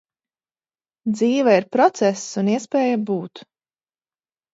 Dzīve ir process un iespēja būt.